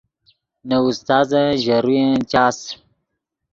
نے استازن ژے روین چاس